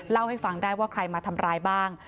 เล่าให้ฟังได้ว่าใครมาทำร้ายบ้าง